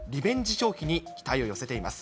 消費に期待を寄せています。